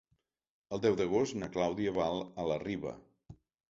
El deu d'agost na Clàudia va a la Riba.